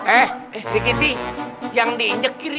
eh sedikit nih yang diinjek kiri